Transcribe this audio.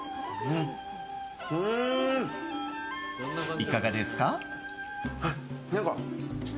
いかがですか？